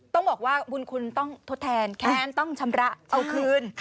ต้องบอกว่าบุญคุณต้องทดแทนแค้นต้องชำระเอาคืน